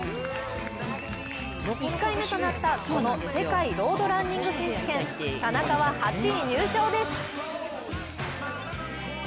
１回目となったこの世界ロードランニング選手権田中は８位入賞です。